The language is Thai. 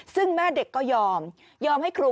ซึ่งแม่เด็กก็ยอมยอมให้ครู